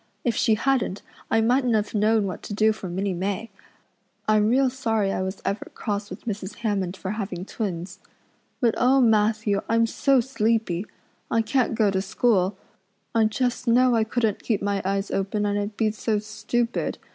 If she hadn't I mightn't have known what to do for Minnie May. I'm real sorry I was ever cross with Mrs. Hammond for having twins. But, oh, Matthew, I'm so sleepy. I can't go to school. I just know I couldn't keep my eyes open and I'd be so stupid.